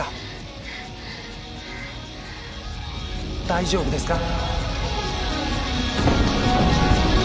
大丈夫ですか？